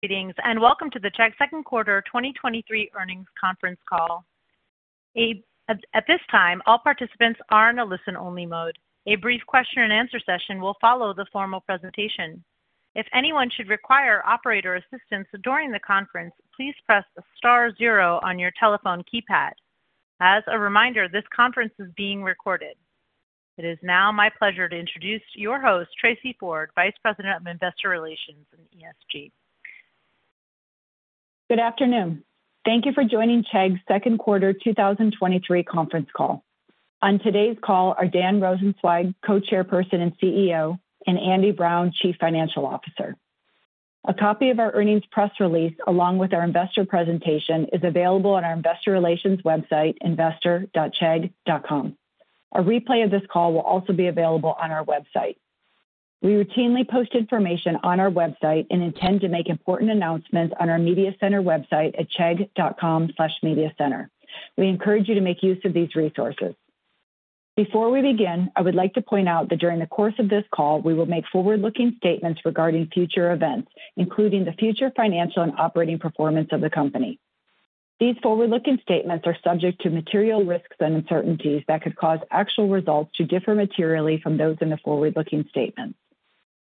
Greetings, and welcome to the Chegg second quarter 2023 earnings conference call. At this time, all participants are in a listen-only mode. A brief question-and-answer session will follow the formal presentation. If anyone should require operator assistance during the conference, please press the star zero on your telephone keypad. As a reminder, this conference is being recorded. It is now my pleasure to introduce your host, Tracy Ford, Vice President of Investor Relations in ESG. Good afternoon. Thank you for joining Chegg's second quarter 2023 conference call. On today's call are Dan Rosensweig, Co-Chairperson and CEO, and Andy Brown, Chief Financial Officer. A copy of our earnings press release, along with our investor presentation, is available on our investor relations website, investor.chegg.com. A replay of this call will also be available on our website. We routinely post information on our website and intend to make important announcements on our media center website at chegg.com/mediacenter. We encourage you to make use of these resources. Before we begin, I would like to point out that during the course of this call, we will make forward-looking statements regarding future events, including the future financial and operating performance of the company. These forward-looking statements are subject to material risks and uncertainties that could cause actual results to differ materially from those in the forward-looking statements.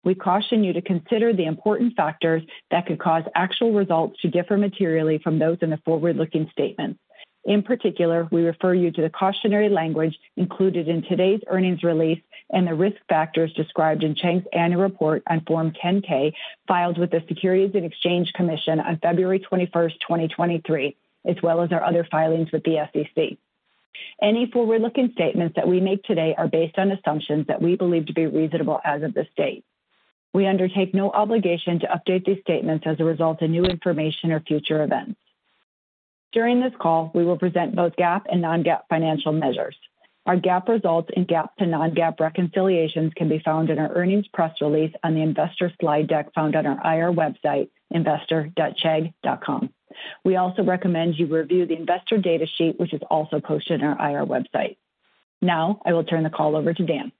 We caution you to consider the important factors that could cause actual results to differ materially from those in the forward-looking statements. In particular, we refer you to the cautionary language included in today's earnings release and the risk factors described in Chegg's Annual Report on Form 10-K, filed with the Securities and Exchange Commission on February 21st, 2023, as well as our other filings with the SEC. Any forward-looking statements that we make today are based on assumptions that we believe to be reasonable as of this date. We undertake no obligation to update these statements as a result of new information or future events. During this call, we will present both GAAP and non-GAAP financial measures. Our GAAP results and GAAP to non-GAAP reconciliations can be found in our earnings press release on the investor slide deck found on our IR website, investor.chegg.com. We also recommend you review the investor data sheet, which is also posted on our IR website. I will turn the call over to Dan.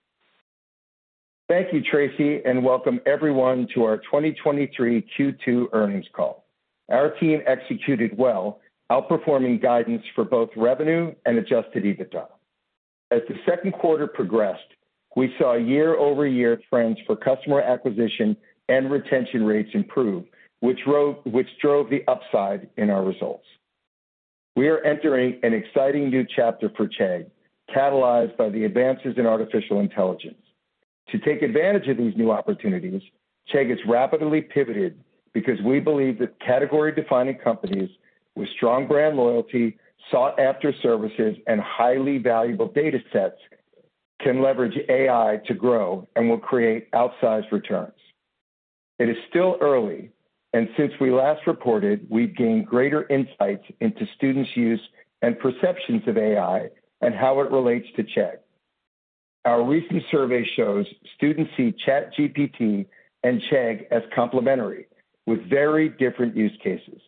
Thank you, Tracy, and welcome everyone to our 2023 Q2 earnings call. Our team executed well, outperforming guidance for both revenue and Adjusted EBITDA. As the second quarter progressed, we saw year-over-year trends for customer acquisition and retention rates improve, which drove the upside in our results. We are entering an exciting new chapter for Chegg, catalyzed by the advances in artificial intelligence. To take advantage of these new opportunities, Chegg has rapidly pivoted because we believe that category-defining companies with strong brand loyalty, sought-after services, and highly valuable data sets can leverage AI to grow and will create outsized returns. It is still early, and since we last reported, we've gained greater insights into students' use and perceptions of AI and how it relates to Chegg. Our recent survey shows students see ChatGPT and Chegg as complementary, with very different use cases.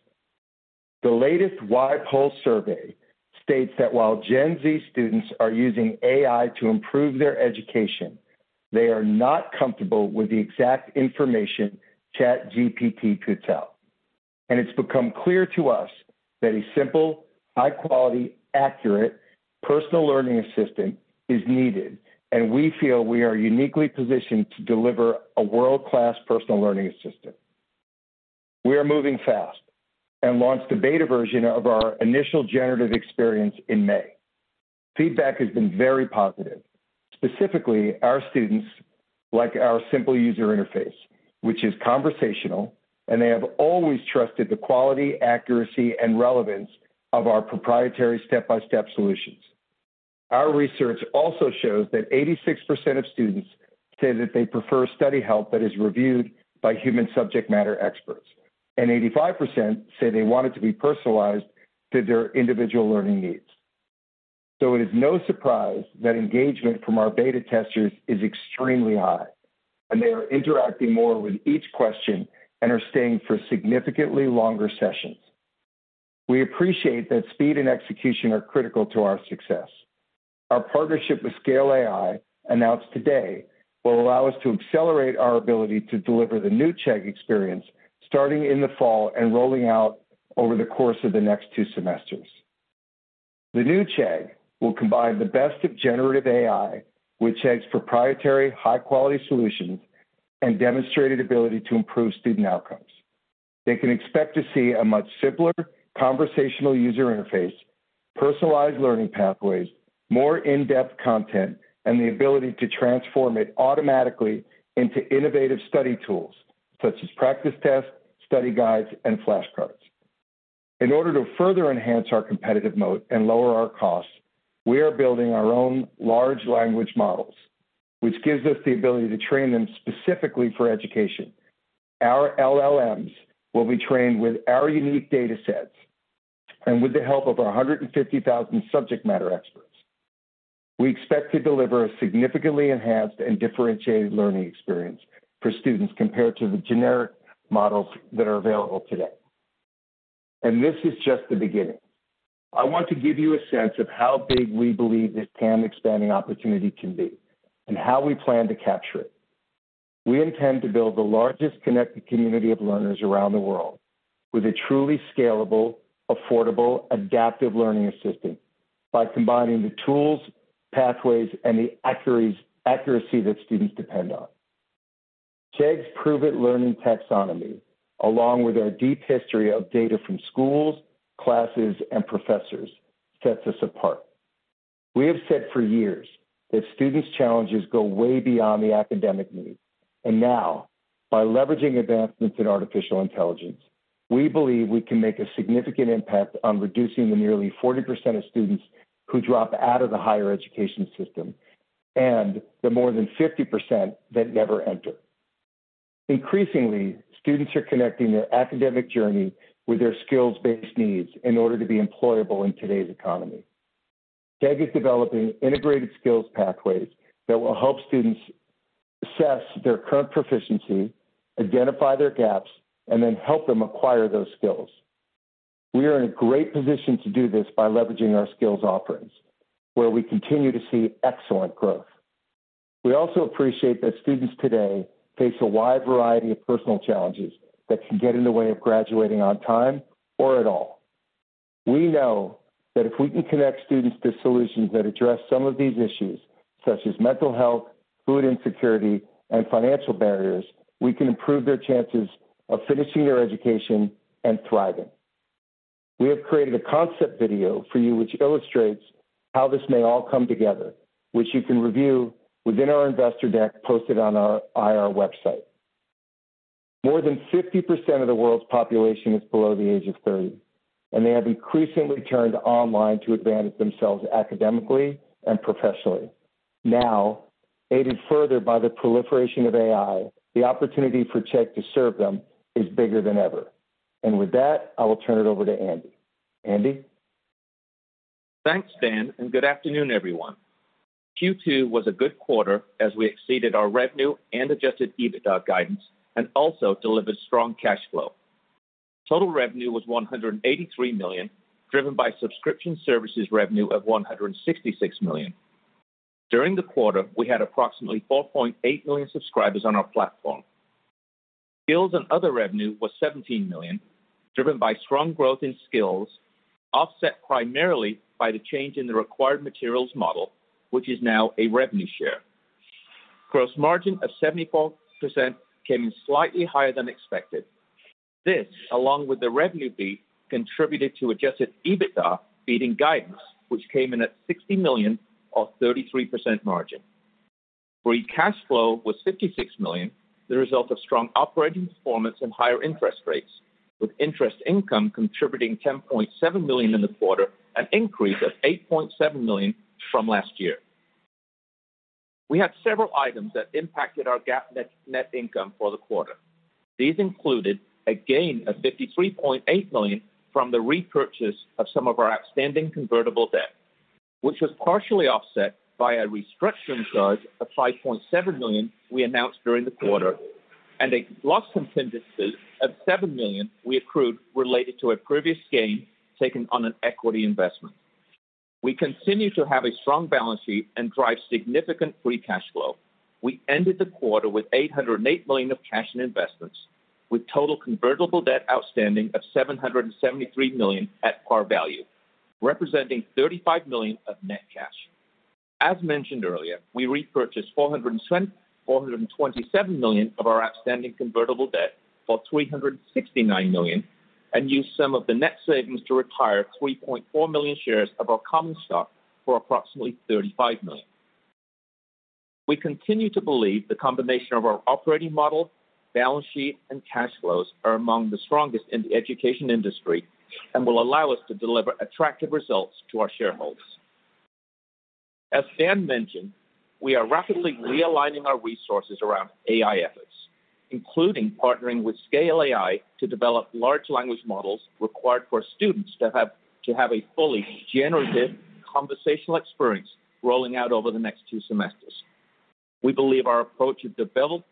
The latest YPulse survey states that while Gen Z students are using AI to improve their education, they are not comfortable with the exact information ChatGPT puts out. It's become clear to us that a simple, high-quality, accurate, personal learning assistant is needed, and we feel we are uniquely positioned to deliver a world-class personal learning assistant. We are moving fast and launched the beta version of our initial generative experience in May. Feedback has been very positive. Specifically, our students like our simple user interface, which is conversational, and they have always trusted the quality, accuracy, and relevance of our proprietary step-by-step solutions. Our research also shows that 86% of students say that they prefer study help that is reviewed by human subject matter experts, and 85% say they want it to be personalized to their individual learning needs. It is no surprise that engagement from our beta testers is extremely high, and they are interacting more with each question and are staying for significantly longer sessions. We appreciate that speed and execution are critical to our success. Our partnership with Scale AI, announced today, will allow us to accelerate our ability to deliver the new Chegg experience starting in the fall and rolling out over the course of the next two semesters. The new Chegg will combine the best of generative AI with Chegg's proprietary high-quality solutions and demonstrated ability to improve student outcomes. They can expect to see a much simpler conversational user interface, personalized learning pathways, more in-depth content, and the ability to transform it automatically into innovative study tools such as practice tests, study guides, and flashcards. In order to further enhance our competitive mode and lower our costs, we are building our own large language models, which gives us the ability to train them specifically for education. Our LLMs will be trained with our unique data sets and with the help of our 150,000 subject matter experts. We expect to deliver a significantly enhanced and differentiated learning experience for students compared to the generic models that are available today. This is just the beginning. I want to give you a sense of how big we believe this TAM expanding opportunity can be, and how we plan to capture it. We intend to build the largest connected community of learners around the world, with a truly scalable, affordable, adaptive learning assistant, by combining the tools, pathways, and the accuracy that students depend on. Chegg's proven learning taxonomy, along with our deep history of data from schools, classes, and professors, sets us apart. We have said for years that students' challenges go way beyond the academic needs, and now, by leveraging advancements in artificial intelligence, we believe we can make a significant impact on reducing the nearly 40% of students who drop out of the higher education system, and the more than 50% that never enter. Increasingly, students are connecting their academic journey with their skills-based needs in order to be employable in today's economy. Chegg is developing integrated skills pathways that will help students assess their current proficiency, identify their gaps, and then help them acquire those skills. We are in a great position to do this by leveraging our skills offerings, where we continue to see excellent growth. We also appreciate that students today face a wide variety of personal challenges that can get in the way of graduating on time or at all. We know that if we can connect students to solutions that address some of these issues, such as mental health, food insecurity, and financial barriers, we can improve their chances of finishing their education and thriving. We have created a concept video for you, which illustrates how this may all come together, which you can review within our investor deck posted on our IR website. More than 50% of the world's population is below the age of 30, and they have increasingly turned online to advance themselves academically and professionally. Now, aided further by the proliferation of AI, the opportunity for Chegg to serve them is bigger than ever. With that, I will turn it over to Andy. Andy? Thanks, Dan. Good afternoon, everyone. Q2 was a good quarter as we exceeded our revenue and Adjusted EBITDA guidance and also delivered strong cash flow. Total revenue was $183 million, driven by subscription services revenue of $166 million. During the quarter, we had approximately 4.8 million subscribers on our platform. Skills and other revenue was $17 million, driven by strong growth in skills, offset primarily by the change in the Required Materials model, which is now a revenue share. Gross margin of 74% came in slightly higher than expected. This, along with the revenue fee, contributed to Adjusted EBITDA beating guidance, which came in at $60 million or 33% margin. Free cash flow was $56 million, the result of strong operating performance and higher interest rates, with interest income contributing $10.7 million in the quarter, an increase of $8.7 million from last year. We had several items that impacted our GAAP net, net income for the quarter. These included a gain of $53.8 million from the repurchase of some of our outstanding convertible debt, which was partially offset by a restructuring charge of $5.7 million we announced during the quarter, and a loss from contingencies of $7 million we accrued related to a previous gain taken on an equity investment. We continue to have a strong balance sheet and drive significant free cash flow. We ended the quarter with $808 million of cash and investments, with total convertible debt outstanding of $773 million at par value, representing $35 million of net cash. As mentioned earlier, we repurchased $427 million of our outstanding convertible debt for $369 million, and used some of the net savings to retire 3.4 million shares of our common stock for approximately $35 million. We continue to believe the combination of our operating model, balance sheet, and cash flows are among the strongest in the education industry and will allow us to deliver attractive results to our shareholders. As Dan mentioned, we are rapidly realigning our resources around AI efforts, including partnering with Scale AI to develop large language models required for students to have, to have a fully generated conversational experience rolling out over the next two semesters. We believe our approach to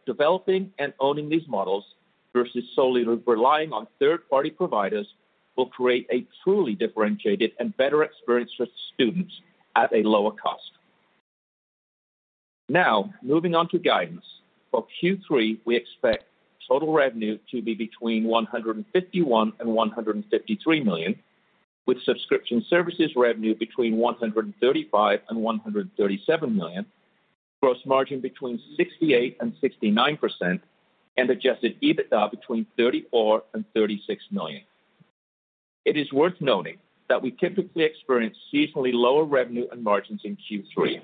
developing and owning these models versus solely relying on third-party providers, will create a truly differentiated and better experience for students at a lower cost. Now, moving on to guidance. For Q3, we expect total revenue to be between $151 million-$153 million, with subscription services revenue between $135 million-$137 million, gross margin between 68%-69%, and Adjusted EBITDA between $34 million-$36 million. It is worth noting that we typically experience seasonally lower revenue and margins in Q3.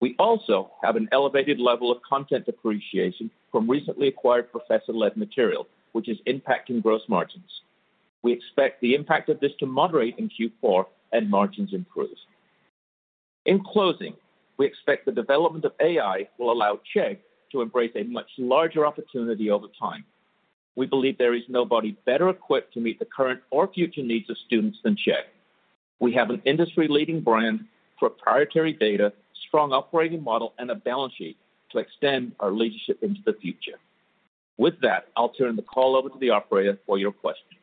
We also have an elevated level of content depreciation from recently acquired professor-led material, which is impacting gross margins. We expect the impact of this to moderate in Q4 and margins improve. In closing, we expect the development of AI will allow Chegg to embrace a much larger opportunity over time. We believe there is nobody better equipped to meet the current or future needs of students than Chegg.... We have an industry-leading brand, proprietary data, strong operating model, and a balance sheet to extend our leadership into the future. With that, I'll turn the call over to the operator for your questions.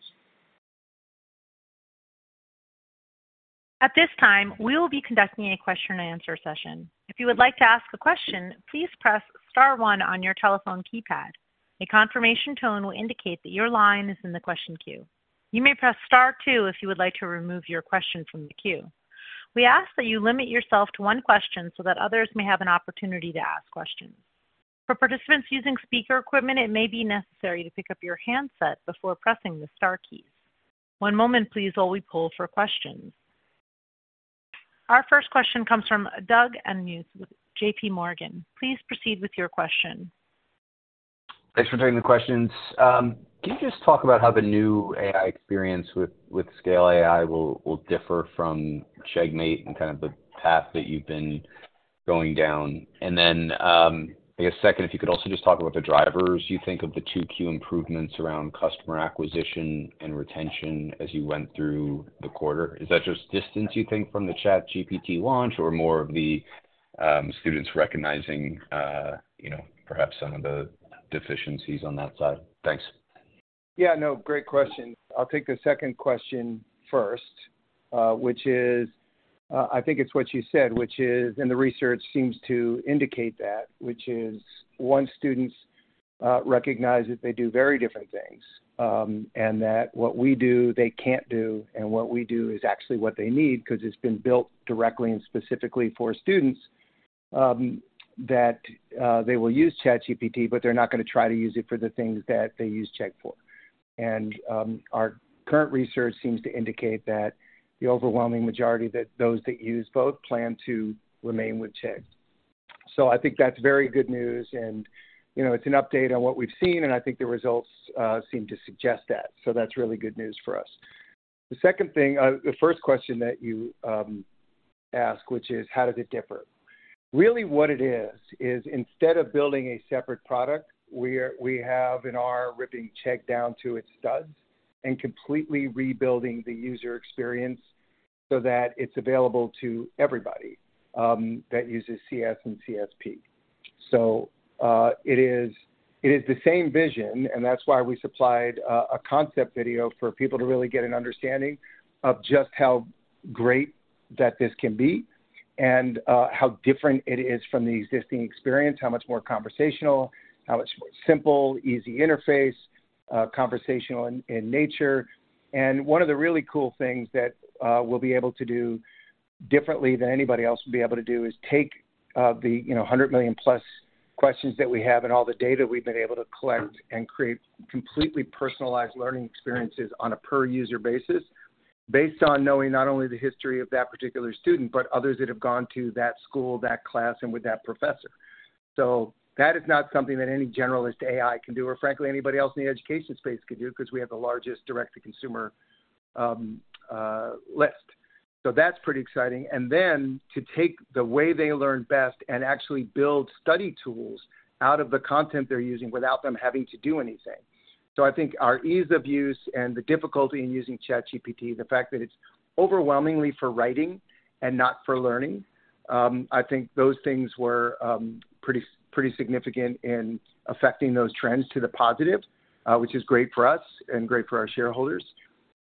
At this time, we will be conducting a question-and-answer session. If you would like to ask a question, please press star one on your telephone keypad. A confirmation tone will indicate that your line is in the question queue. You may press star two if you would like to remove your question from the queue. We ask that you limit yourself to one question so that others may have an opportunity to ask questions. For participants using speaker equipment, it may be necessary to pick up your handset before pressing the star keys. One moment, please, while we poll for questions. Our first question comes from Doug Anmuth with JPMorgan. Please proceed with your question. Thanks for taking the questions. Can you just talk about how the new AI experience with Scale AI will differ from CheggMate and kind of the path that you've been going down? I guess, second, if you could also just talk about the drivers you think of the 2Q improvements around customer acquisition and retention as you went through the quarter. Is that just distance, you think, from the ChatGPT launch, or more of the students recognizing, you know, perhaps some of the deficiencies on that side? Thanks. Yeah, no, great question. I'll take the second question first, which is, I think it's what you said, which is, and the research seems to indicate that, which is once students recognize that they do very different things, and that what we do, they can't do, and what we do is actually what they need, because it's been built directly and specifically for students, that they will use ChatGPT, but they're not gonna try to use it for the things that they use Chegg for. Our current research seems to indicate that the overwhelming majority, that those that use both plan to remain with Chegg. I think that's very good news and, you know, it's an update on what we've seen, and I think the results seem to suggest that. That's really good news for us. The second thing... The first question that you asked, which is how does it differ? Really what it is, is instead of building a separate product, we have in our ripping Chegg down to its studs and completely rebuilding the user experience so that it's available to everybody, that uses CS and CSP. It is, it is the same vision, and that's why we supplied a concept video for people to really get an understanding of just how great that this can be and, how different it is from the existing experience, how much more conversational, how much more simple, easy interface, conversational in nature. One of the really cool things that we'll be able to do differently than anybody else will be able to do, is take, you know, the 100 million+ questions that we have and all the data we've been able to collect, and create completely personalized learning experiences on a per-user basis, based on knowing not only the history of that particular student, but others that have gone to that school, that class, and with that professor. That is not something that any generalist AI can do or frankly, anybody else in the education space could do, because we have the largest direct-to-consumer list. That's pretty exciting. Then to take the way they learn best and actually build study tools out of the content they're using without them having to do anything. I think our ease of use and the difficulty in using ChatGPT, the fact that it's overwhelmingly for writing and not for learning, I think those things were pretty, pretty significant in affecting those trends to the positive, which is great for us and great for our shareholders.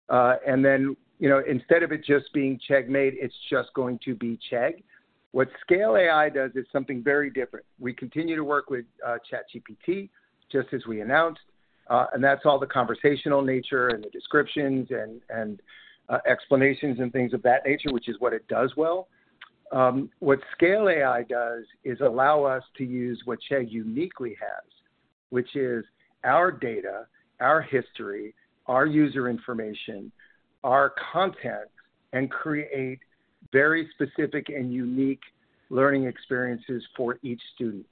Then, you know, instead of it just being CheggMate, it's just going to be Chegg. What Scale AI does is something very different. We continue to work with ChatGPT, just as we announced, and that's all the conversational nature and the descriptions and, and explanations and things of that nature, which is what it does well. What Scale AI does is allow us to use what Chegg uniquely has, which is our data, our history, our user information, our content, and create very specific and unique learning experiences for each student.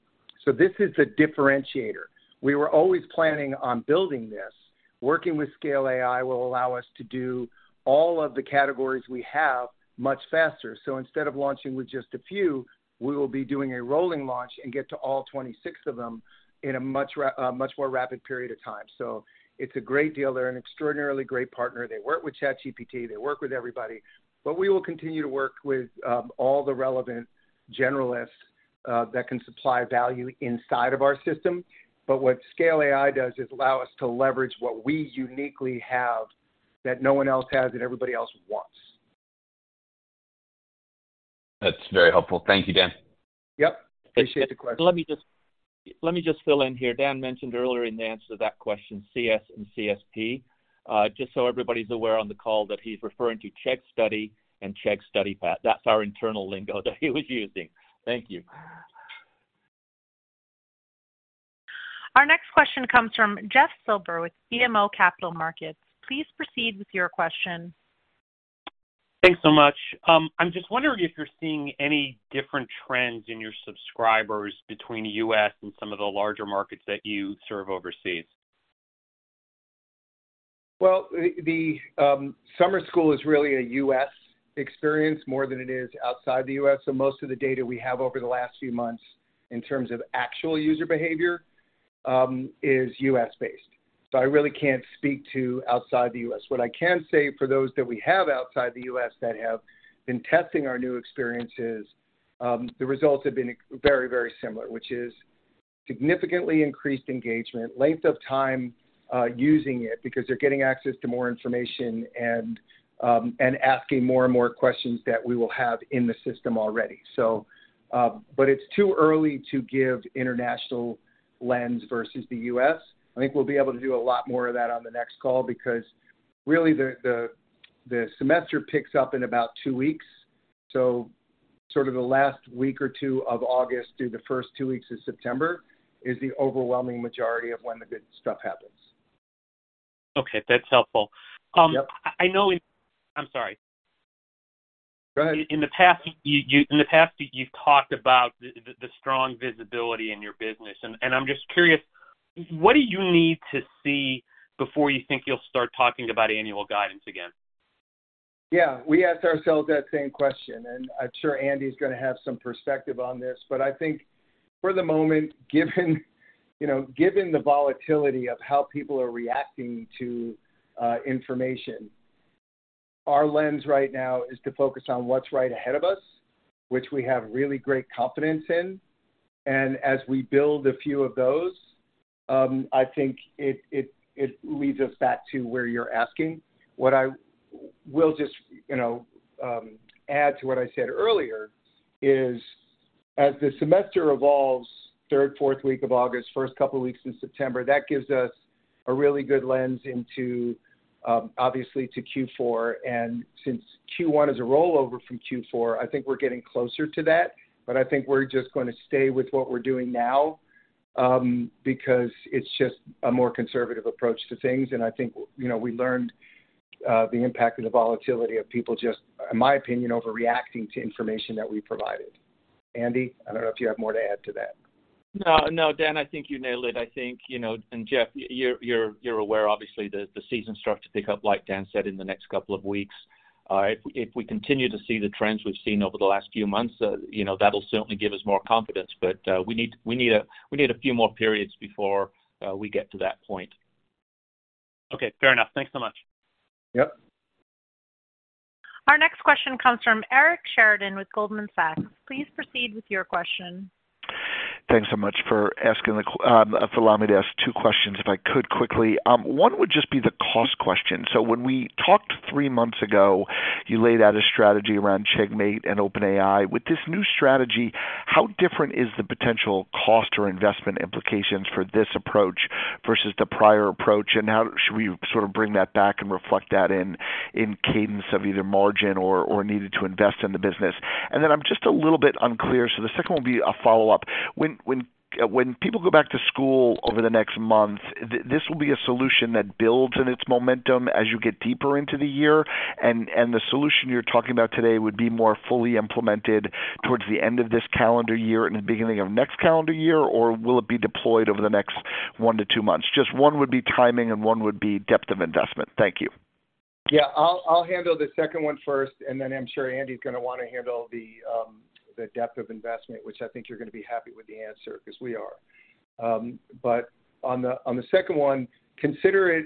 This is a differentiator. We were always planning on building this. Working with Scale AI will allow us to do all of the categories we have much faster. Instead of launching with just a few, we will be doing a rolling launch and get to all 26 of them in a much ra-, much more rapid period of time. It's a great deal. They're an extraordinarily great partner. They work with ChatGPT, they work with everybody. We will continue to work with all the relevant generalists that can supply value inside of our system. What Scale AI does is allow us to leverage what we uniquely have, that no one else has and everybody else wants. That's very helpful. Thank you, Dan. Yep. Appreciate the question. Let me just, let me just fill in here. Dan mentioned earlier in the answer to that question, CS and CSP. Just so everybody's aware on the call that he's referring to Chegg Study and Chegg Study Pack. That's our internal lingo that he was using. Thank you. Our next question comes from Jeff Silber, with BMO Capital Markets. Please proceed with your question. Thanks so much. I'm just wondering if you're seeing any different trends in your subscribers between the U.S. and some of the larger markets that you serve overseas. Well, the, the, summer school is really a U.S. experience more than it is outside the U.S., so most of the data we have over the last few months, in terms of actual user behavior, is U.S.-based, so I really can't speak to outside the U.S. What I can say for those that we have outside the U.S. that have been testing our new experiences, the results have been very, very similar, which is significantly increased engagement, length of time, using it, because they're getting access to more information and, and asking more and more questions that we will have in the system already. But it's too early to give international lens versus the U.S. I think we'll be able to do a lot more of that on the next call, because really the, the, the semester picks up in about two weeks. sort of the last week or 2 of August through the first two weeks of September is the overwhelming majority of when the good stuff happens. Okay, that's helpful. Yep. I'm sorry. Go ahead. In the past, you've talked about the strong visibility in your business, and I'm just curious, what do you need to see before you think you'll start talking about annual guidance again? Yeah, we asked ourselves that same question. I'm sure Andy's gonna have some perspective on this. I think for the moment, given, you know, given the volatility of how people are reacting to information, our lens right now is to focus on what's right ahead of us, which we have really great confidence in. As we build a few of those, I think it, it, it leads us back to where you're asking. We'll just, you know, add to what I said earlier, is as the semester evolves, third, fourth week of August, 1st couple of weeks in September, that gives us a really good lens into, obviously to Q4. Since Q1 is a rollover from Q4, I think we're getting closer to that. I think we're just gonna stay with what we're doing now, because it's just a more conservative approach to things. I think, you know, we learned the impact of the volatility of people just, in my opinion, overreacting to information that we provided. Andy, I don't know if you have more to add to that. No, no, Dan, I think you nailed it. I think, you know, Jeff, you're, you're, you're aware, obviously, the, the season starts to pick up, like Dan said, in the next couple of weeks. If, if we continue to see the trends we've seen over the last few months, you know, that'll certainly give us more confidence, but we need, we need a, we need a few more periods before we get to that point. Okay, fair enough. Thanks so much. Yep. Our next question comes from Eric Sheridan with Goldman Sachs. Please proceed with your question. Thanks so much for asking the que-, allow me to ask two questions, if I could, quickly. One would just be the cost question. When we talked three months ago, you laid out a strategy around CheggMate and OpenAI. With this new strategy, how different is the potential cost or investment implications for this approach versus the prior approach, and how should we sort of bring that back and reflect that in, in cadence of either margin or, or needed to invest in the business? I'm just a little bit unclear, so the second one will be a follow-up. When people go back to school over the next month, this will be a solution that builds in its momentum as you get deeper into the year, and the solution you're talking about today would be more fully implemented towards the end of this calendar year and the beginning of next calendar year, or will it be deployed over the next one to two months? Just one would be timing and one would be depth of investment. Thank you. Yeah. I'll handle the second one first, and then I'm sure Andy's gonna want to handle the depth of investment, which I think you're going to be happy with the answer, because we are. On the second one, consider it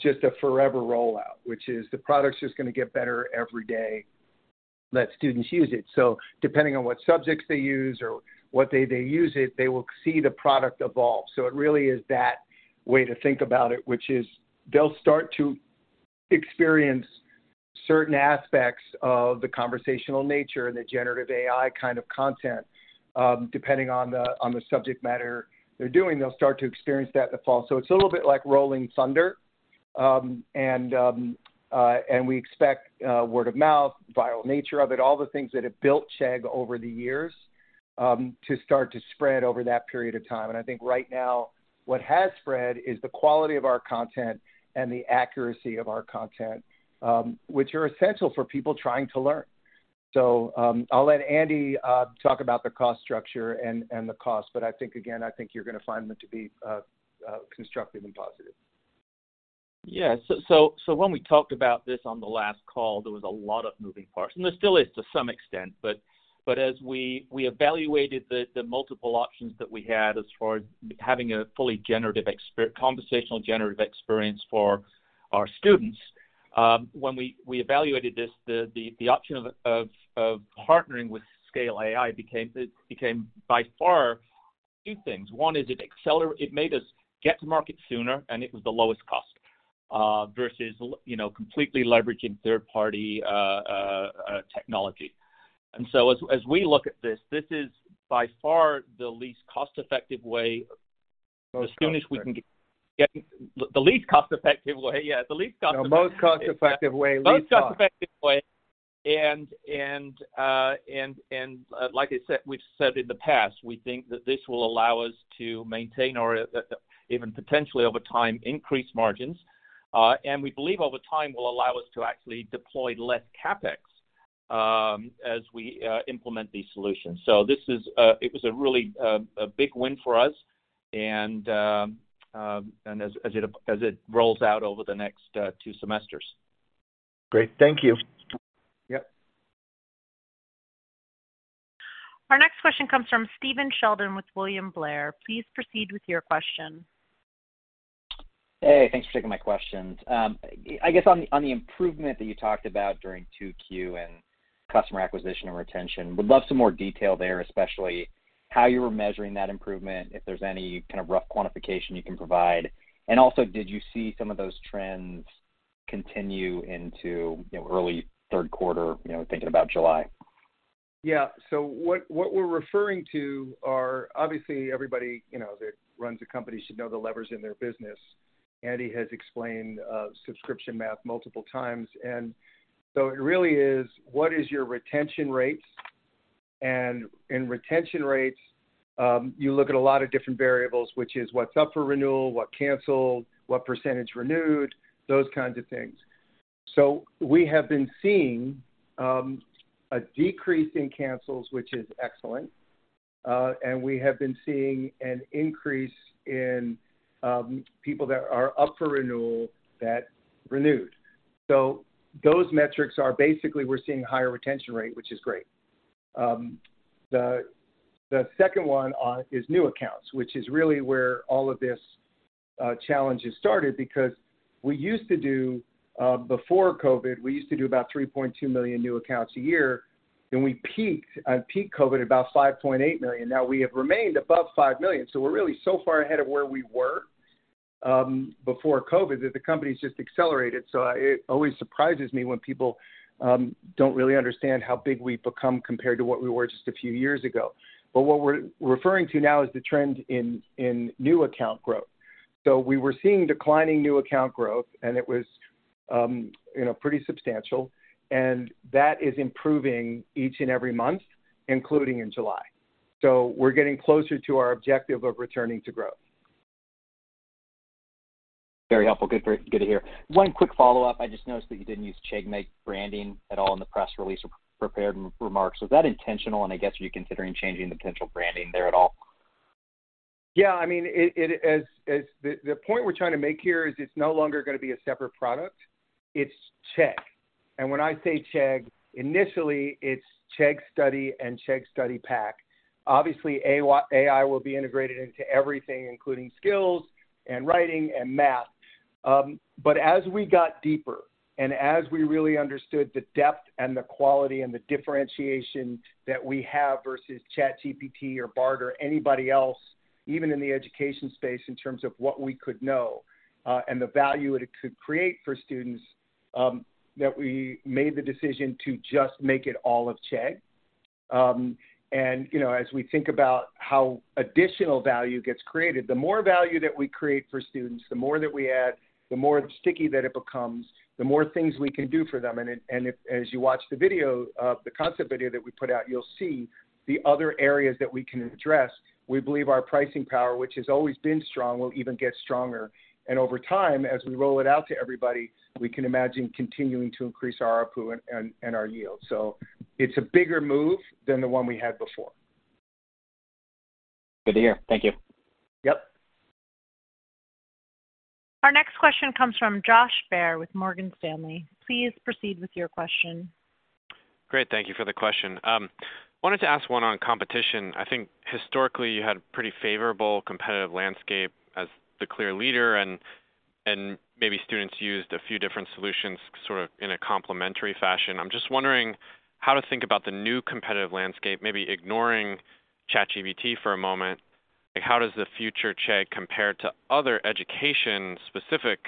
just a forever rollout, which is the product's just gonna get better every day that students use it. So depending on what subjects they use or what day they use it, they will see the product evolve. So it really is that way to think about it, which is they'll start to experience certain aspects of the conversational nature and the generative AI kind of content. Depending on the subject matter they're doing, they'll start to experience that in the fall. So it's a little bit like rolling thunder. We expect word of mouth, viral nature of it, all the things that have built Chegg over the years, to start to spread over that period of time. I think right now, what has spread is the quality of our content and the accuracy of our content, which are essential for people trying to learn. I'll let Andy talk about the cost structure and the cost, but I think, again, I think you're gonna find them to be constructive and positive. Yeah. When we talked about this on the last call, there was a lot of moving parts, and there still is to some extent, but, but as we, we evaluated the, the multiple options that we had as far as having a fully generative conversational generative experience for our students, when we, we evaluated this, the, the, the option of, of, of partnering with Scale AI became by far two things. One, is it made us get to market sooner, and it was the lowest cost, versus, you know, completely leveraging third-party technology. As we look at this, this is by far the least cost-effective way, as soon as we can the least cost-effective way, yeah, the least cost. No, most cost-effective way, least cost. Most cost-effective way. and, and, and, like I said, we've said in the past, we think that this will allow us to maintain or even potentially over time, increase margins, and we believe over time will allow us to actually deploy less CapEx, as we implement these solutions. This is, it was a really, a big win for us, and, and as, as it, as it rolls out over the next, two semesters. Great. Thank you. Yep. Our next question comes from Steven Sheldon with William Blair. Please proceed with your question. Hey, thanks for taking my questions. I guess on the, on the improvement that you talked about during 2Q and customer acquisition and retention, would love some more detail there, especially how you were measuring that improvement, if there's any kind of rough quantification you can provide. Also, did you see some of those trends continue into, you know, early third quarter, you know, thinking about July? Yeah. What, what we're referring are- obviously, everybody, you know, that runs a company should know the levers in their business. Andy has explained subscription math multiple times, it really is, what is your retention rates? In retention rates, you look at a lot of different variables, which is what's up for renewal, what canceled, what % renewed, those kinds of things. We have been seeing a decrease in cancels, which is excellent. We have been seeing an increase in people that are up for renewal that renewed. Those metrics are basically, we're seeing higher retention rate, which is great. The second one is new accounts, which is really where all of this challenge has started, because we used to do, before COVID, we used to do about 3.2 million new accounts a year, and we peaked, on peak COVID, about 5.8 million. We have remained above 5 million, so we're really so far ahead of where we were, before COVID, that the company's just accelerated. It always surprises me when people don't really understand how big we've become compared to what we were just a few years ago. What we're referring to now is the trend in new account growth. We were seeing declining new account growth, and it was, you know, pretty substantial, and that is improving each and every month, including in July. We're getting closer to our objective of returning to growth. Very helpful. Good. Good to hear. One quick follow-up. I just noticed that you didn't use CheggMate branding at all in the press release or prepared remarks. Was that intentional, and I guess, are you considering changing the potential branding there at all? Yeah, I mean, the point we're trying to make here is it's no longer gonna be a separate product. It's Chegg. When I say Chegg, initially, it's Chegg Study and Chegg Study Pack. Obviously, AI will be integrated into everything, including skills and writing and math. As we got deeper, and as we really understood the depth and the quality and the differentiation that we have versus ChatGPT or Bard or anybody else, even in the education space, in terms of what we could know, and the value it could create for students, that we made the decision to just make it all of Chegg. You know, as we think about how additional value gets created, the more value that we create for students, the more that we add, the more sticky that it becomes, the more things we can do for them. If- as you watch the video, the concept video that we put out, you'll see the other areas that we can address. We believe our pricing power, which has always been strong, will even get stronger. Over time, as we roll it out to everybody, we can imagine continuing to increase our ARPU and our yield. It's a bigger move than the one we had before. Good to hear. Thank you. Yep. Our next question comes from Josh Baer with Morgan Stanley. Please proceed with your question. Great, thank you for the question. Wanted to ask one on competition. I think historically you had a pretty favorable competitive landscape as the clear leader, and, and maybe students used a few different solutions, sort of in a complementary fashion. I'm just wondering how to think about the new competitive landscape, maybe ignoring ChatGPT for a moment. Like, how does the future Chegg compare to other education-specific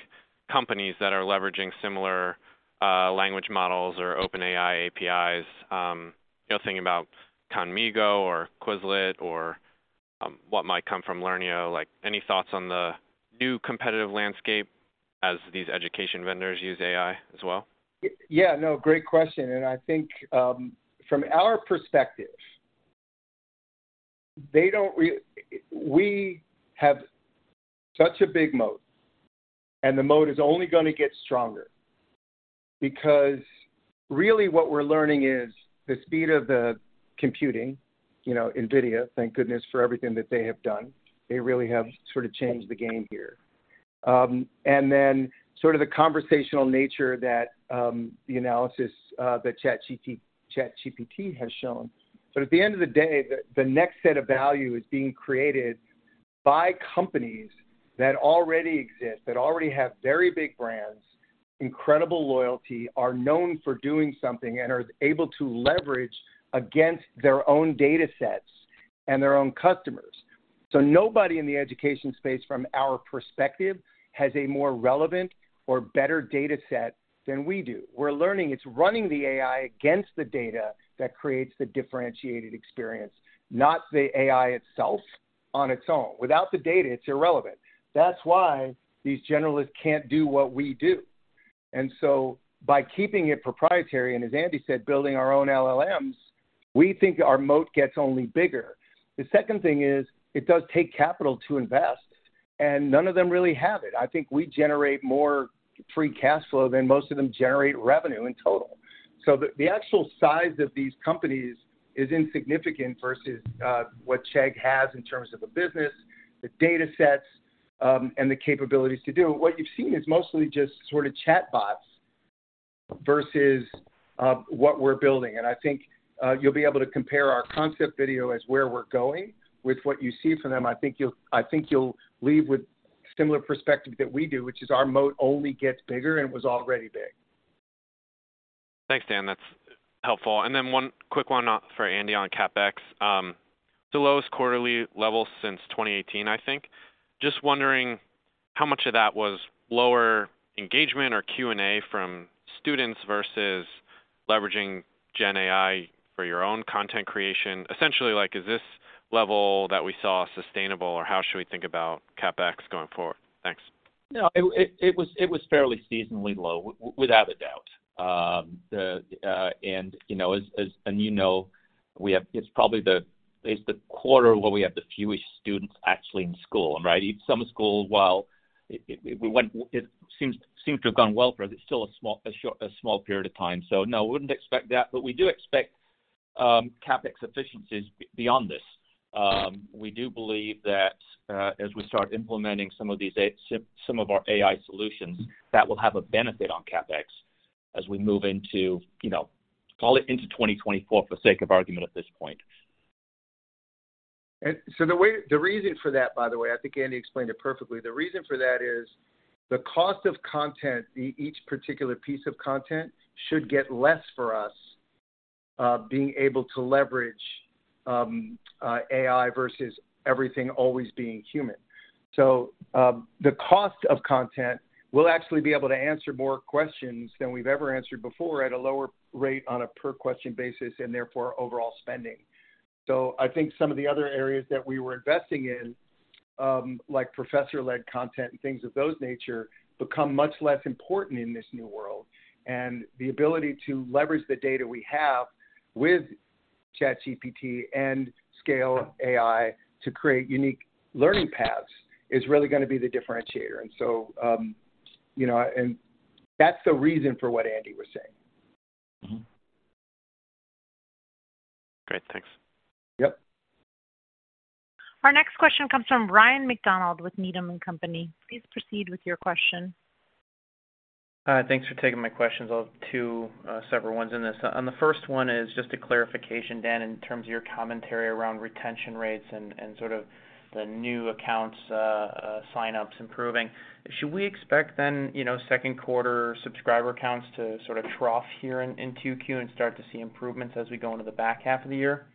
companies that are leveraging similar language models or OpenAI APIs? You know, thinking about Khanmigo or Quizlet or what might come from Learneo. Like, any thoughts on the new competitive landscape as these education vendors use AI as well? Yeah, no, great question. I think, from our perspective, they don't re- We have such a big moat, and the moat is only gonna get stronger. Really what we're learning is the speed of the computing, you know, NVIDIA, thank goodness for everything that they have done. They really have sort of changed the game here. Then sort of the conversational nature that, the analysis, that ChatGPT, ChatGPT has shown. At the end of the day, the, the next set of value is being created by companies that already exist, that already have very big brands, incredible loyalty, are known for doing something, and are able to leverage against their own datasets and their own customers. Nobody in the education space, from our perspective, has a more relevant or better dataset than we do. We're learning it's running the AI against the data that creates the differentiated experience, not the AI itself on its own. Without the data, it's irrelevant. That's why these generalists can't do what we do. By keeping it proprietary, as Andy said, building our own LLMs, we think our moat gets only bigger. The second thing is, it does take capital to invest, and none of them really have it. I think we generate more free cash flow than most of them generate revenue in total. The actual size of these companies is insignificant versus what Chegg has in terms of the business, the datasets, and the capabilities to do. What you've seen is mostly just sort of chatbots, versus what we're building. I think you'll be able to compare our concept video as where we're going with what you see from them. I think you'll, I think you'll leave with similar perspective that we do, which is our moat only gets bigger and was already big. Thanks, Dan. That's helpful. And then one quick one for Andy on CapEx. The lowest quarterly level since 2018, I think. Just wondering how much of that was lower engagement or Q&A from students versus leveraging Gen AI for your own content creation. Essentially, like, is this level that we saw sustainable, or how should we think about CapEx going forward? Thanks. No, it, it, it was, it was fairly seasonally low, without a doubt. You know, and you know, it's probably the, it's the quarter where we have the fewest students actually in school, right? Some schools, while it, it, it seems, seemed to have gone well for us. It's still a small, a short, a small period of time. No, I wouldn't expect that, but we do expect CapEx efficiencies beyond this. We do believe that, as we start implementing some of these some, some of our AI solutions, that will have a benefit on CapEx as we move into, you know, call it into 2024, for sake of argument at this point. The way the reason for that, by the way, I think Andy explained it perfectly. The reason for that is the cost of content, each particular piece of content, should get less for us, being able to leverage AI versus everything always being human. The cost of content will actually be able to answer more questions than we've ever answered before at a lower rate on a per question basis, and therefore overall spending. I think some of the other areas that we were investing in, like professor-led content and things of those nature, become much less important in this new world. The ability to leverage the data we have with ChatGPT and Scale AI to create unique learning paths is really gonna be the differentiator. You know, and that's the reason for what Andy was saying. Mm-hmm. Great. Thanks. Yep. Our next question comes from Brian McDonald with Needham & Company. Please proceed with your question. Thanks for taking my questions. I'll have two, several ones in this. On the first one is just a clarification, Dan, in terms of your commentary around retention rates and, and sort of the new accounts, sign-ups improving. Should we expect then, you know, second quarter subscriber counts to sort of trough here in, in Q2Q and start to see improvements as we go into the back half of the year?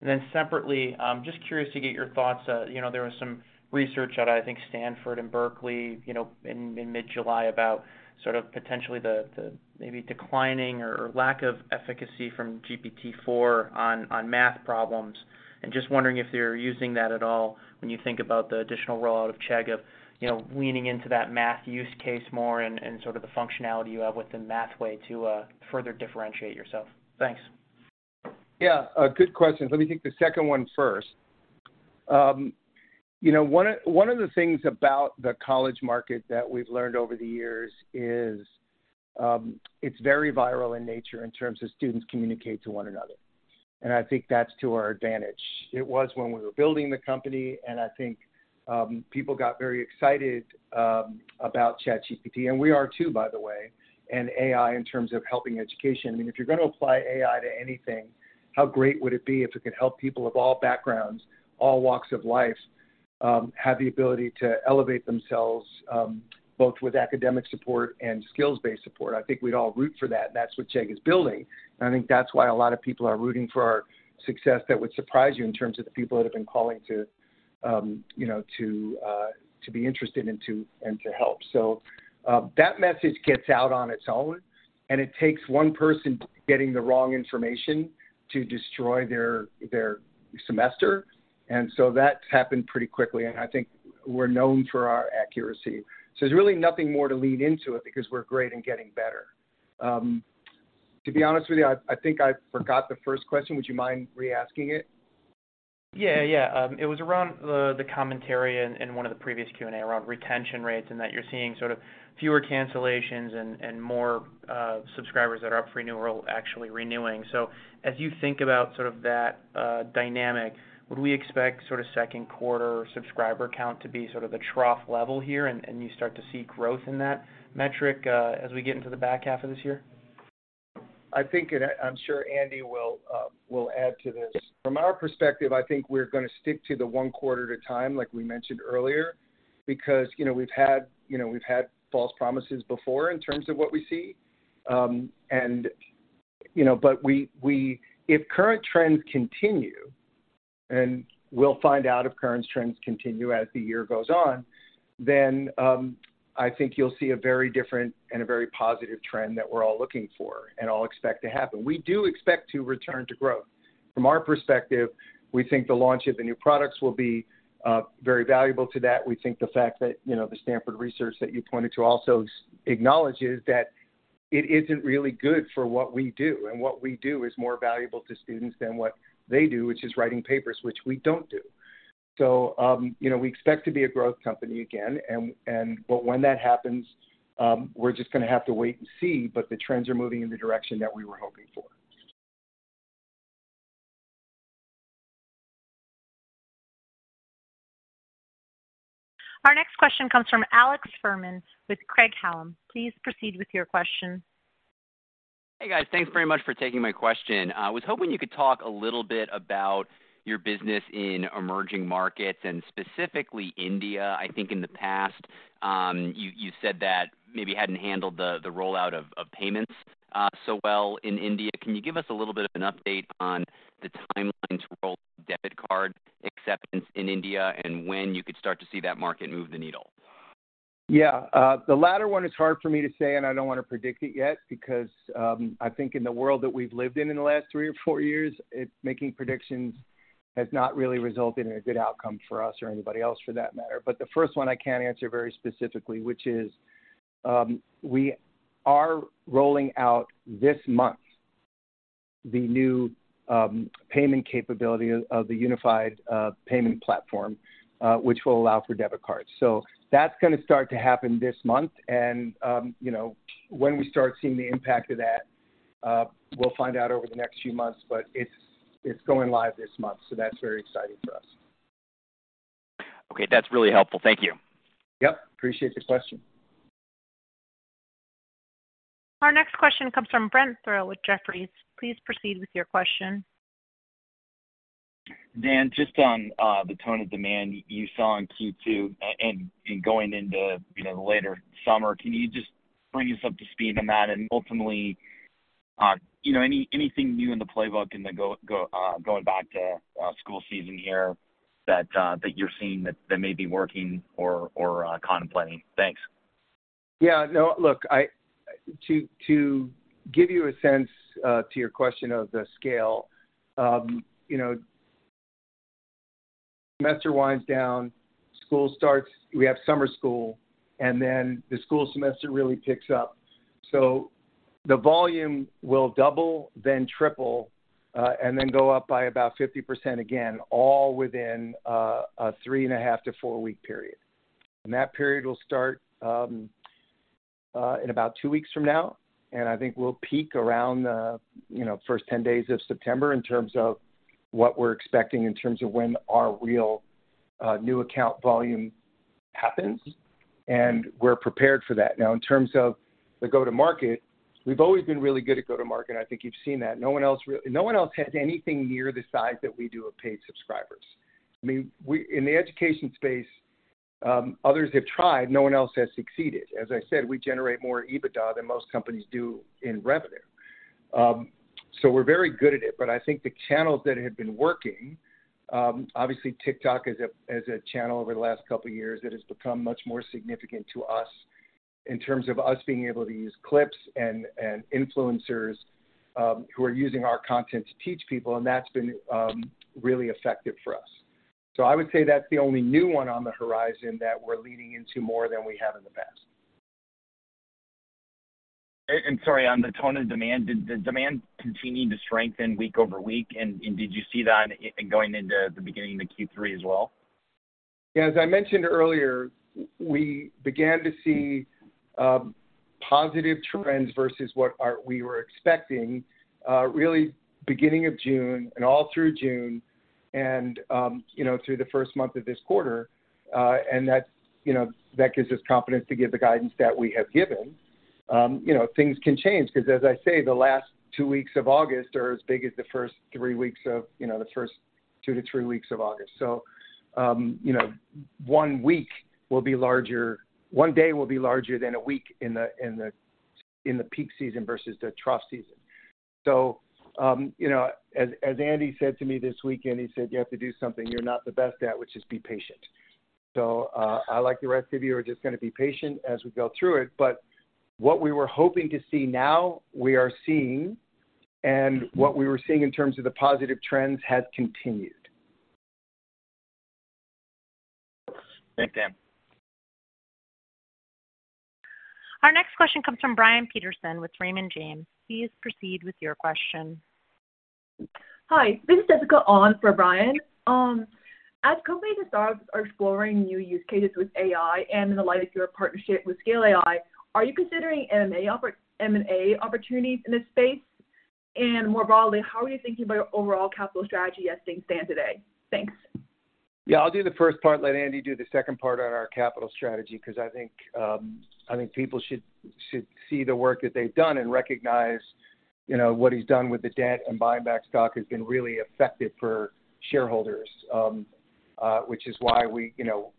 And then separately, just curious to get your thoughts. You know, there was some research out of, I think, Stanford and Berkeley, you know, in, in mid-July about sort of potentially the, the maybe declining or lack of efficacy from GPT-4 on, on math problems. Just wondering if you're using that at all when you think about the additional rollout of Chegg of, you know, leaning into that math use case more and, and sort of the functionality you have within Mathway to further differentiate yourself. Thanks. Yeah, good questions. Let me take the second one first. You know, one of, one of the things about the college market that we've learned over the years is, it's very viral in nature in terms of students communicate to one another, and I think that's to our advantage. It was when we were building the company, and I think, people got very excited about ChatGPT, and we are too, by the way, and AI in terms of helping education. I mean, if you're gonna apply AI to anything, how great would it be if it could help people of all backgrounds, all walks of life, have the ability to elevate themselves, both with academic support and skills-based support? I think we'd all root for that, and that's what Chegg is building. I think that's why a lot of people are rooting for our success. That would surprise you in terms of the people that have been calling to, you know, to be interested and to, and to help. That message gets out on its own, and it takes one person getting the wrong information to destroy their, their semester. That's happened pretty quickly, and I think we're known for our accuracy. There's really nothing more to lead into it because we're great in getting better. To be honest with you, I, I think I forgot the first question. Would you mind reasking it? Yeah, yeah. It was around the, the commentary in, in one of the previous Q&A around retention rates and that you're seeing sort of fewer cancellations and, and more subscribers that are up for renewal, actually renewing. As you think about sort of that dynamic, would we expect sort of second quarter subscriber count to be sort of the trough level here, and, and you start to see growth in that metric as we get into the back half of this year? I think, and I'm sure Andy will, will add to this. From our perspective, I think we're gonna stick to the one quarter at a time, like we mentioned earlier, because, you know, we've had, you know, we've had false promises before in terms of what we see. You know, but we, if current trends continue, and we'll find out if current trends continue as the year goes on, then, I think you'll see a very different and a very positive trend that we're all looking for and all expect to happen. We do expect to return to growth. From our perspective, we think the launch of the new products will be, very valuable to that. We think the fact that, you know, the Stanford research that you pointed to also acknowledges that it isn't really good for what we do, and what we do is more valuable to students than what they do, which is writing papers, which we don't do. You know, we expect to be a growth company again, but when that happens, we're just gonna have to wait and see. The trends are moving in the direction that we were hoping for. Our next question comes from Alex Fuhrman with Craig-Hallum. Please proceed with your question. Hey, guys. Thanks very much for taking my question. I was hoping you could talk a little bit about your business in emerging markets and specifically India. I think in the past, you, you said that maybe you hadn't handled the, the rollout of, of payments so well in India. Can you give us a little bit of an update on the timeline to roll debit card acceptance in India and when you could start to see that market move the needle? The latter one is hard for me to say, and I don't want to predict it yet because I think in the world that we've lived in in the last three or four years, making predictions has not really resulted in a good outcome for us or anybody else for that matter. The first one I can answer very specifically, which is, we are rolling out this month, the new payment capability of the unified payment platform, which will allow for debit cards. That's gonna start to happen this month, and, you know, when we start seeing the impact of that, we'll find out over the next few months, but it's, it's going live this month, so that's very exciting for us. Okay, that's really helpful. Thank you. Yep, appreciate the question. Our next question comes from Brent Thrail with Jefferies. Please proceed with your question. Dan, just on the tone of demand you saw in Q2 and going into, you know, the later summer, can you just bring us up to speed on that and ultimately, you know, anything new in the playbook and the go going back to school season here that you're seeing that may be working or contemplating? Thanks. Yeah, no, look, I- to, to give you a sense, to your question of the scale, you know, semester winds down, school starts, we have summer school, and then the school semester really picks up. The volume will double, then triple, and then go up by about 50% again, all within a 3.5-week to 4-week period. That period will start in about two weeks from now, and I think we'll peak around, you know, first 10 days of September in terms of what we're expecting in terms of when our real new account volume happens, and we're prepared for that. In terms of the go-to-market, we've always been really good at go-to-market. I think you've seen that. No one else has anything near the size that we do of paid subscribers. I mean, in the education space, others have tried, no one else has succeeded. As I said, we generate more EBITDA than most companies do in revenue. We're very good at it, but I think the channels that had been working, obviously, TikTok is a, is a channel over the last couple of years that has become much more significant to us in terms of us being able to use clips and, and influencers, who are using our content to teach people, and that's been, really effective for us. I would say that's the only new one on the horizon that we're leading into more than we have in the past. Sorry, on the tone of demand, did demand continue to strengthen week over week? Did you see that in going into the beginning of the Q3 as well? Yeah, as I mentioned earlier, we began to see positive trends versus what we were expecting, really beginning of June and all through June and, you know, through the first month of this quarter. That, you know, that gives us confidence to give the guidance that we have given. You know, things can change because as I say, the last two weeks of August are as big as the first three weeks of, you know, the first two to three weeks of August. So, you know, one day will be larger than a week in the, in the, in the peak season versus the trough season. You know, as, as Andy said to me this weekend, he said, "You have to do something you're not the best at, which is be patient." I, like the rest of you, are just gonna be patient as we go through it. What we were hoping to see now, we are seeing, and what we were seeing in terms of the positive trends has continued. Thanks, Dan. Our next question comes from Brian Peterson with Raymond James. Please proceed with your question. Hi, this is Jessica An for Brian. As companies and stocks are exploring new use cases with AI and in the light of your partnership with Scale AI, are you considering M&A opport- M&A opportunities in this space? More broadly, how are you thinking about your overall capital strategy as things stand today? Thanks. Yeah, I'll do the first part and let Andy do the second part on our capital strategy because I think I think people should, should see the work that they've done and recognize, you know, what he's done with the debt and buying back stock has been really effective for shareholders. Which is why we, you know.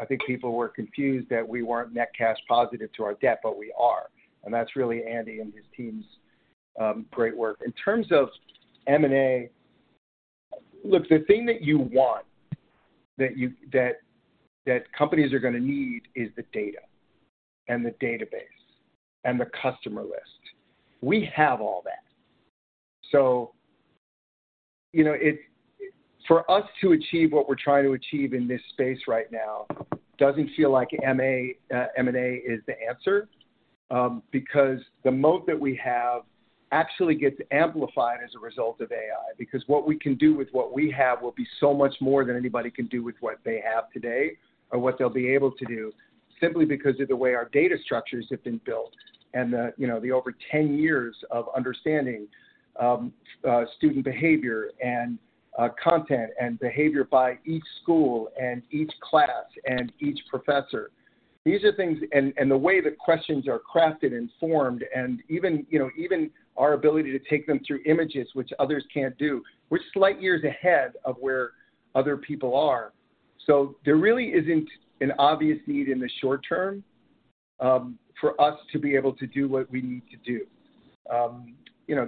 I think people were confused that we weren't net cash positive to our debt, but we are, and that's really Andy and his team's great work. In terms of M&A, look, the thing that you want, that companies are gonna need is the data and the database and the customer list. We have all that. You know, it- for us to achieve what we're trying to achieve in this space right now, doesn't feel like MA, M&A is the answer, because the moat that we have actually gets amplified as a result of AI, because what we can do with what we have will be so much more than anybody can do with what they have today or what they'll be able to do, simply because of the way our data structures have been built and the, you know, the over 10 years of understanding student behavior and content and behavior by each school and each class and each professor. These are things, and the way the questions are crafted and formed, and even, you know, even our ability to take them through images which others can't do, we're light years ahead of where other people are. There really isn't an obvious need in the short term, for us to be able to do what we need to do. You know,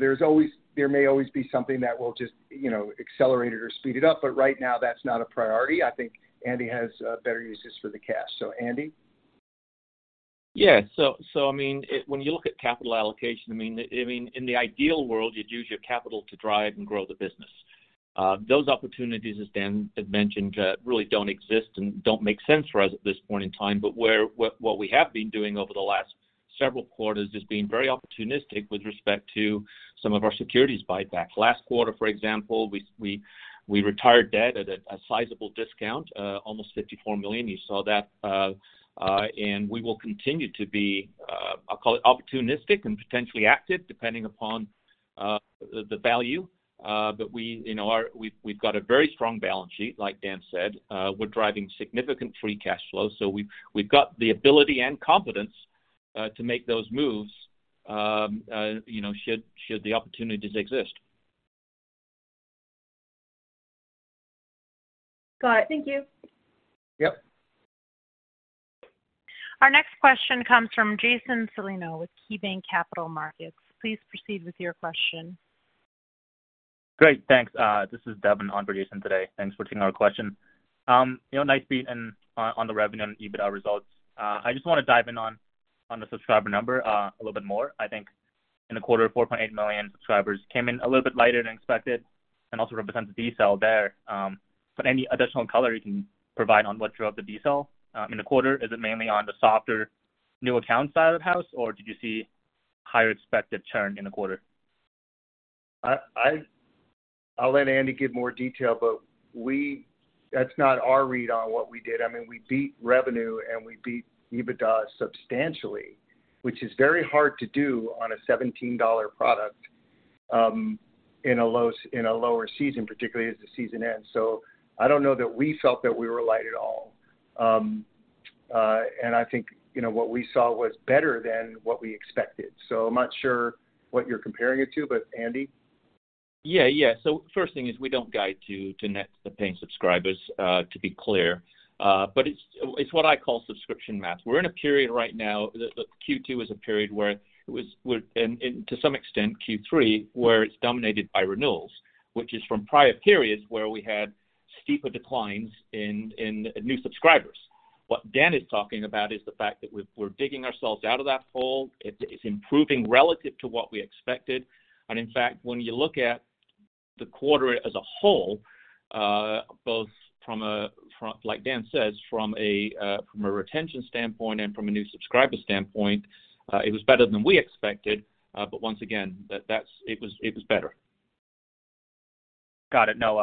there may always be something that will just, you know, accelerate it or speed it up, but right now, that's not a priority. I think Andy has better uses for the cash. Andy? Yeah. I mean, when you look at capital allocation, I mean, I mean, in the ideal world, you'd use your capital to drive and grow the business. Those opportunities, as Dan had mentioned, really don't exist and don't make sense for us at this point in time. Where, what, what we have been doing over the last several quarters is being very opportunistic with respect to some of our securities buyback. Last quarter, for example, we, we, we retired debt at a, a sizable discount, almost $54 million. You saw that. We will continue to be, I'll call it opportunistic and potentially active, depending upon, the, the value. We, you know, we've, we've got a very strong balance sheet, like Dan said. We're driving significant free cash flow, so we've, we've got the ability and competence to make those moves, you know, should, should the opportunities exist. Got it. Thank you. Yep. Our next question comes from Jason Celino with KeyBanc Capital Markets. Please proceed with your question. Great, thanks. This is Devin on for Jason today. Thanks for taking our question. You know, nice beat on, on the revenue and EBITDA results. I just wanna dive in on, on the subscriber number a little bit more. I think in the quarter, 4.8 million subscribers came in a little bit lighter than expected and also represents a decel there. Any additional color you can provide on what drove the decel in the quarter? Is it mainly on the softer new account side of the house, or did you see higher expected churn in the quarter? I'll let Andy give more detail, but that's not our read on what we did. I mean, we beat revenue, and we beat EBITDA substantially, which is very hard to do on a $17 product in a low, in a lower season, particularly as the season ends. I don't know that we felt that we were light at all. I think, you know, what we saw was better than what we expected. I'm not sure what you're comparing it to, but Andy? Yeah, yeah. First thing is we don't guide to, to net the paying subscribers, to be clear. It's, it's what I call subscription math. We're in a period right now, the, the Q2 is a period where it was, and to some extent Q3, where it's dominated by renewals, which is from prior periods where we had steeper declines in, in new subscribers. What Dan is talking about is the fact that we're digging ourselves out of that hole. It, it's improving relative to what we expected. In fact, when you look at the quarter as a whole, both from a, from, like Dan says, from a, from a retention standpoint and from a new subscriber standpoint, it was better than we expected, once again, that's, it was better. Got it. No,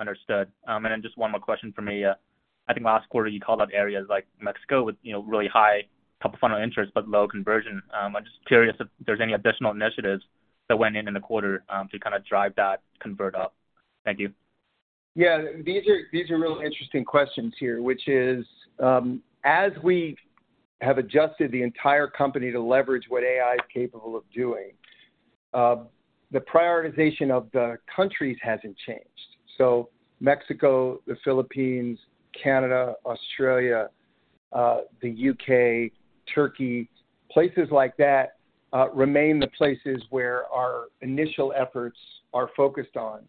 understood. Then just one more question for me. I think last quarter, you called out areas like Mexico with, you know, really high top-of-funnel interest, but low conversion. I'm just curious if there's any additional initiatives that went in in the quarter, to kinda drive that convert up. Thank you. Yeah, these are, these are really interesting questions here, which is, as we have adjusted the entire company to leverage what AI is capable of doing, the prioritization of the countries hasn't changed. Mexico, the Philippines, Canada, Australia, the U.K., Turkey, places like that, remain the places where our initial efforts are focused on.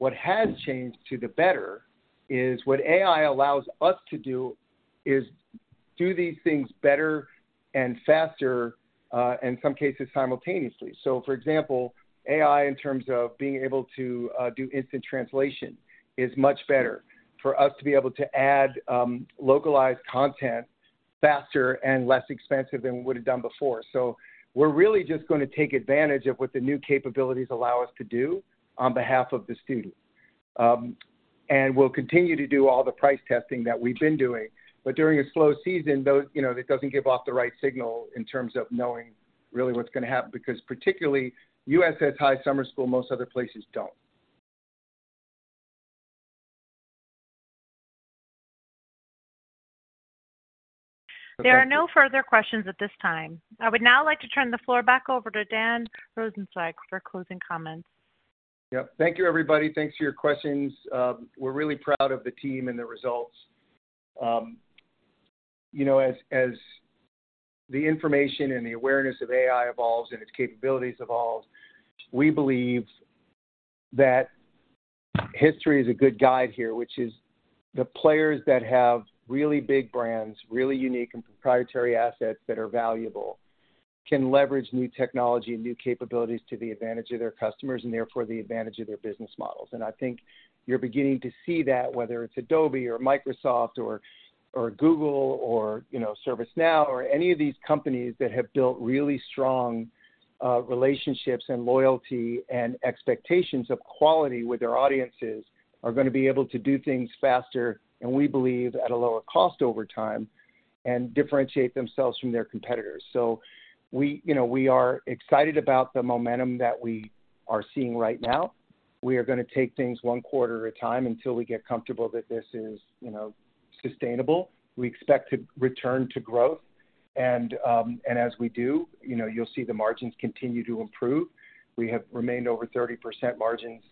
What has changed to the better is what AI allows us to do is do these things better and faster, in some cases, simultaneously. For example, AI, in terms of being able to do instant translation, is much better for us to be able to add localized content faster and less expensive than we would have done before. We're really just gonna take advantage of what the new capabilities allow us to do on behalf of the student. We'll continue to do all the price testing that we've been doing. During a slow season, those, you know, that doesn't give off the right signal in terms of knowing really what's gonna happen, because particularly, U.S. has high summer school, most other places don't. There are no further questions at this time. I would now like to turn the floor back over to Dan Rosensweig for closing comments. Yep. Thank you, everybody. Thanks for your questions. We're really proud of the team and the results. You know, as, as the information and the awareness of AI evolves and its capabilities evolve, we believe that history is a good guide here, which is the players that have really big brands, really unique and proprietary assets that are valuable, can leverage new technology and new capabilities to the advantage of their customers and therefore the advantage of their business models. I think you're beginning to see that, whether it's Adobe or Microsoft or, or Google or, you know, ServiceNow, or any of these companies that have built really strong, relationships and loyalty and expectations of quality with their audiences, are gonna be able to do things faster, and we believe at a lower cost over time, and differentiate themselves from their competitors. We, you know, we are excited about the momentum that we are seeing right now. We are gonna take things one quarter at a time until we get comfortable that this is, you know, sustainable. We expect to return to growth, and as we do, you know, you'll see the margins continue to improve. We have remained over 30% margins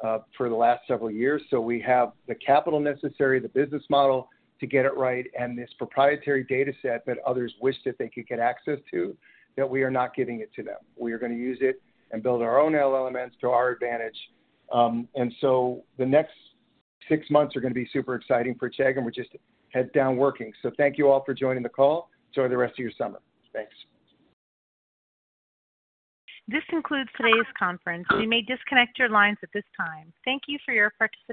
for the last several years. We have the capital necessary, the business model to get it right, and this proprietary data set that others wish that they could get access to, that we are not giving it to them. We are gonna use it and build our own elements to our advantage. The next six months are gonna be super exciting for Chegg, and we're just head down working. Thank you all for joining the call. Enjoy the rest of your summer. Thanks. This concludes today's conference. You may disconnect your lines at this time. Thank you for your participation.